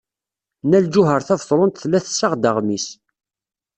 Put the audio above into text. Nna Lǧuheṛ Tabetṛunt tella tessaɣ-d aɣmis.